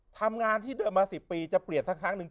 ทำงานที่เดิมมา๑๐ปีจะเปลี่ยนสักครั้งหนึ่ง